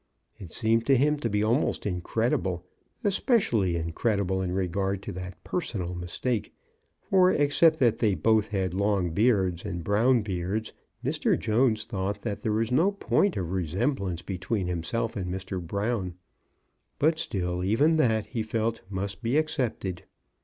It seemed to him to be almost in credible, especially incredible in regard to that personal mistake, for, except that they both had long beards and brown beards, Mr. Jones thought that there was no point of resemblance between himself and Mr. Brown. But still, even that, he felt, must be accepted.